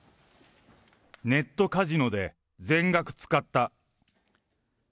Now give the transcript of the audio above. ネットカジノで全額使った。